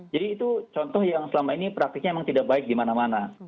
jadi itu contoh yang selama ini praktiknya memang tidak baik di mana mana